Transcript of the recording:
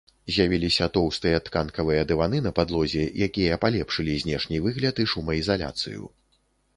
З'явіліся тоўстыя тканкавыя дываны на падлозе, якія палепшылі знешні выгляд і шумаізаляцыю.